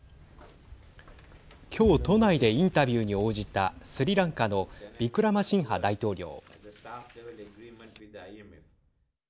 今日都内でインタビューに応じたスリランカのウィクラマシンハ大統領。